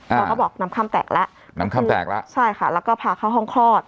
เขาก็บอกน้ำค่ำแตกแล้วน้ำค่ำแตกแล้วใช่ค่ะแล้วก็พาเข้าห้องคลอด